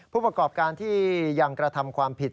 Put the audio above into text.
ผู้ประกอบการที่ยังกระทำความผิด